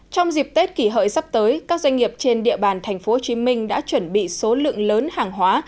trong dịp tết kỷ hợi sắp tới các doanh nghiệp trên địa bàn tp hcm đã chuẩn bị số lượng lớn hàng hóa